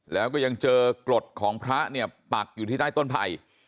แล้วก็ยังเจอกรดของพระเนี่ยปักอยู่ที่ใต้ต้นไผ่